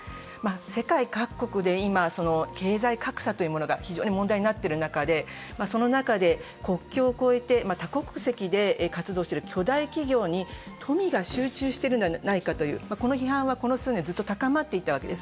世界各国で今、経済格差というものが非常に問題になっている中で国境を越えて多国籍で活動している巨大企業に富が集中しているのではないかという、この批判はこの数年ずっと高まっていたわけです。